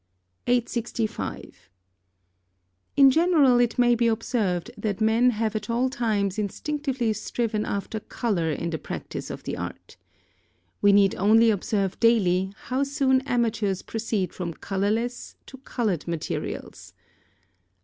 865. In general it may be observed that men have at all times instinctively striven after colour in the practice of the art. We need only observe daily, how soon amateurs proceed from colourless to coloured materials.